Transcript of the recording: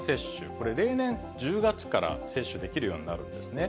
これ、例年１０月から接種できるようになるんですね。